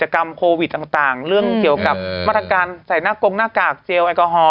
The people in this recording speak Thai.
โควิดต่างเรื่องเกี่ยวกับณกลมหน้ากากเจ๊ไลกรอฮอล์